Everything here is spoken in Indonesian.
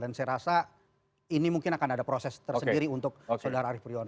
dan saya rasa ini mungkin akan ada proses tersendiri untuk saudara arief furiono